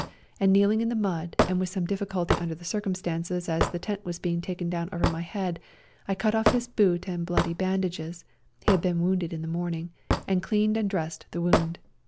and kneeling in the mud, and with some difficulty under the circumstances as the tent was being taken down over my head, I cut off his boot and bloody bandages (he had been wounded in the morning) and cleaned and dressed the wound.